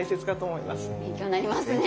勉強になりますね。